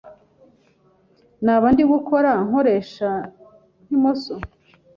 naba ndi gukora nkoresha nk’imoso